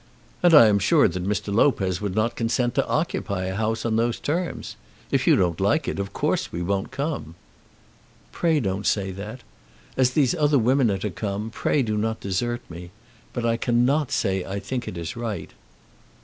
And I am sure that Mr. Lopez would not consent to occupy a house on those terms. If you don't like it, of course we won't come." "Pray don't say that. As these other women are to come, pray do not desert me. But I cannot say I think it is right."